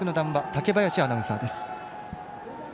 竹林アナウンサーです。